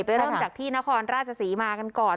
เริ่มจากที่นครราชศรีมากันก่อน